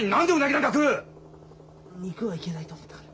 肉はいけないと思ったから。